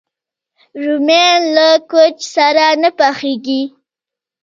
رومیان له کوچ سره نه پخېږي